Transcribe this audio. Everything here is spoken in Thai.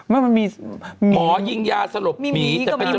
หมอยิงยาสลบหมี